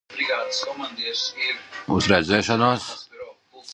Both came with a dual point distributor in high-performance versions.